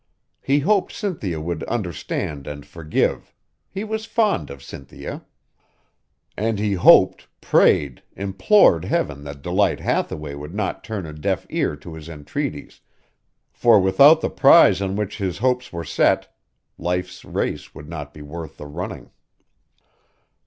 He hoped Cynthia would understand and forgive; he was fond of Cynthia. And he hoped, prayed, implored Heaven that Delight Hathaway would not turn a deaf ear to his entreaties, for without the prize on which his hopes were set life's race would not be worth the running.